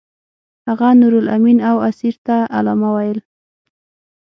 هغه نورالامین او اسیر ته علامه ویل.